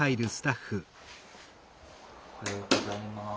おはようございます。